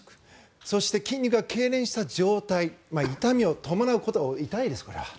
そして筋肉がけいれんした状態痛みを伴うことが多い痛いです、これは。